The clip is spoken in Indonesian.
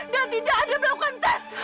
dan tidak ada pelakukan tes